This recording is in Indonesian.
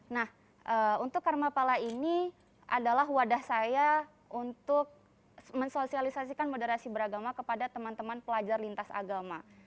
nah untuk karmapala ini adalah wadah saya untuk mensosialisasikan moderasi beragama kepada teman teman pelajar lintas agama